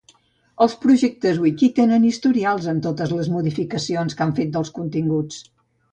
Els projectes wiki tenen historials amb totes les modificacions que han fet dels continguts